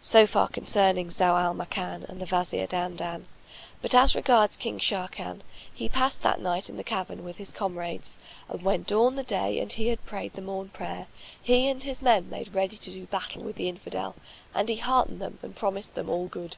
So far concerning Zau al Makan and the Wazir Dandan; but as regards King Sharrkan, he passed that night in the cavern with his comrades, and when dawned the day and he had prayed the morn prayer, he and his men made ready to do battle with the Infidel and he heartened them; and promised them all good.